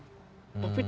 belum ada seprindik